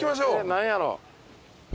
何やろ。